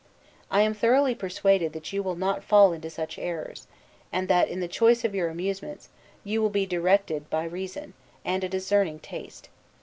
I am thoroughly persuaded you will not fall into such errors; and that, in the choice of your amusements, you will be directed by reason, and a discerning taste.